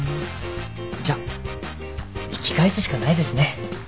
じゃ引き返すしかないですね。